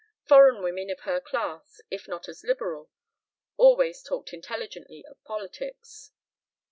Foreign women of her class, if not as liberal, always talked intelligently of politics.